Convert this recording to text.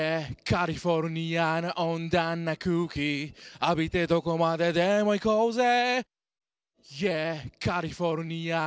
「Ｙｅａｈカリフォルニアの温暖な空気」「浴びてどこまででも行こうぜ」